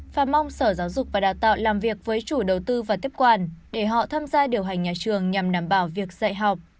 và mong sở giáo dục và đào tạo làm việc với chủ đầu tư và tiếp quản để họ tham gia điều hành nhà trường nhằm đảm bảo việc dạy học